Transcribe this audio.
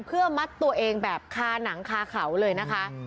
เพื่อมัดตัวเองแบบคาหนังคาเขาเลยนะคะ